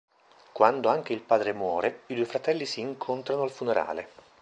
Quando anche il padre muore, i due fratelli si incontrano al funerale.